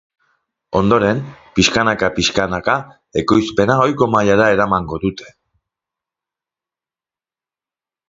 Ondoren, pixkanaka-pixkanaka ekoizpena ohiko mailara eramango dute.